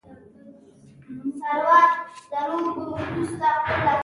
دا معنوي غوړېدا لپاره ده.